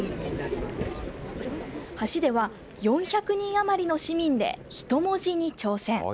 橋では４００人余りの市民で人文字に挑戦。